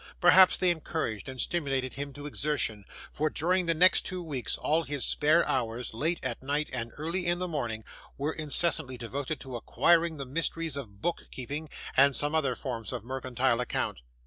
Perhaps they encouraged and stimulated him to exertion, for, during the next two weeks, all his spare hours, late at night and early in the morning, were incessantly devoted to acquiring the mysteries of book keeping and some other forms of mercantile account.